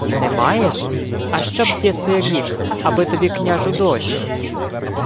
— Не маєш? А що б єси рік, аби тобі княжу доцю?